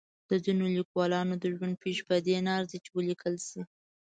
د ځینو لیکوالانو د ژوند پېښې په دې نه ارزي چې ولیکل شي.